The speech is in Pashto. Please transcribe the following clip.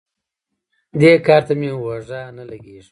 دې کار ته مې اوږه نه لګېږي.